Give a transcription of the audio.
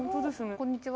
こんにちは。